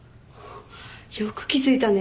よく気付いたね。